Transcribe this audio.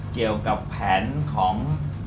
เกี่ยวกับแผนของ